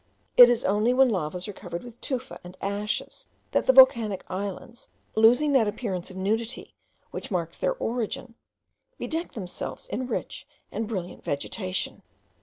It is only when lavas are covered with tufa and ashes, that the volcanic islands, losing that appearance of nudity which marks their origin, bedeck themselves in rich and brilliant vegetation.